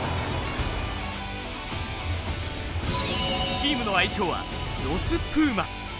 チームの愛称はロス・プーマス。